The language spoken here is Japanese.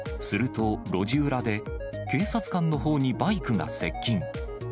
すると、路地裏で警察官のほうにバイクが接近。